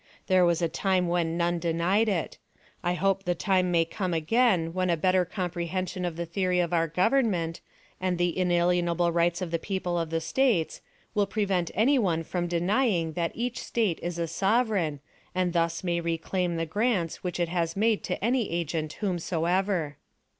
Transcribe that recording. There was a time when none denied it. I hope the time may come again when a better comprehension of the theory of our Government, and the inalienable rights of the people of the States, will prevent any one from denying that each State is a sovereign, and thus may reclaim the grants which it has made to any agent whomsoever.